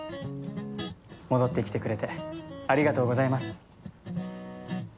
戻ってきてくれてありがとうございます。